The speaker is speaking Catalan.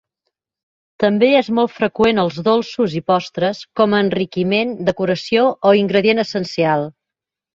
També és molt freqüent als dolços i postres, com a enriquiment, decoració o ingredient essencial.